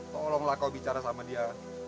tolonglah kau bicara sama dia